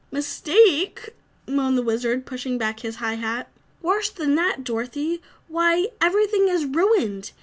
"Mistake!" moaned the Wizard, pushing back his high hat. "Worse than that, Dorothy! Why, everything is ruined!